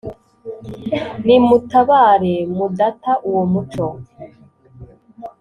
nimutabare mudata uwo muco